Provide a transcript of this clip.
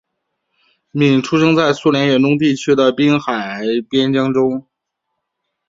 闵出生在苏联远东地区的滨海边疆州。